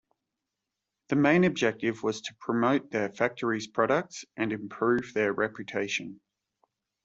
The main objective was to promote their factory's products, and improve their reputation.